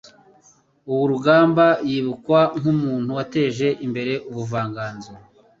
Ubu Rugamba yibukwa nk' umuntu wateje imbere ubuvanganzo